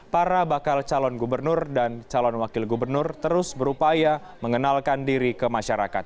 para bakal calon gubernur dan calon wakil gubernur terus berupaya mengenalkan diri ke masyarakat